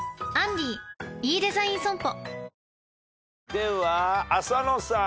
では浅野さん。